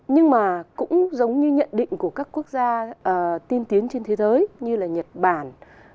nhưng mà cũng giống như nhận định của các quốc gia tiên tiến trên thế giới như là nhật bản